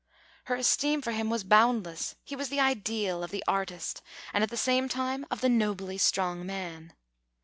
Her esteem for him was boundless; he was the ideal of the artist, and at the same time of the nobly strong man.